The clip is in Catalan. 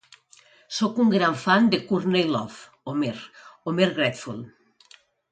Sóc un gran fan de Courtney Love.Homer: Homer Grateful!